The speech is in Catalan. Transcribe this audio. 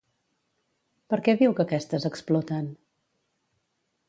Per què diu que aquestes exploten?